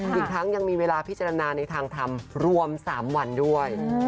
อีกทั้งยังมีเวลาพิจารณาในทางทำรวม๓วันด้วย